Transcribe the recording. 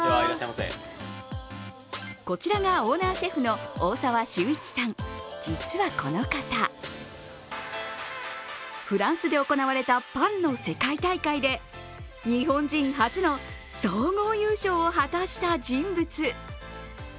こちらが、オーナーシェフの大澤秀一さん実はこの方フランスで行われたパンの世界大会で日本人初の総合優勝を果たした人物。